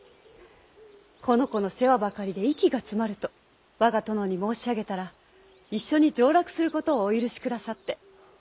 この子の世話ばかりで息が詰まると我が殿に申し上げたら一緒に上洛することをお許しくださって。